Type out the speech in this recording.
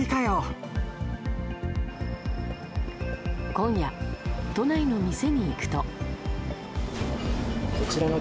今夜、都内の店に行くと。